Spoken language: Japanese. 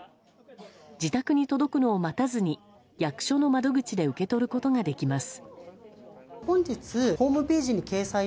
自宅に届くのを待たずに役所の窓口で受け取ることができます。